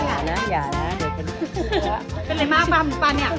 คุณพ่อมีลูกทั้งหมด๑๐ปี